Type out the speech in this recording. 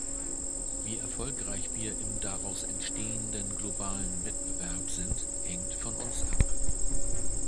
Wie erfolgreich wir im daraus entstehenden globalen Wettbewerb sind, hängt von uns ab.